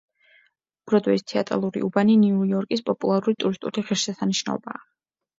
ბროდვეის თეატრალური უბანი ნიუ-იორკის პოპულარული ტურისტული ღირსშესანიშნაობაა.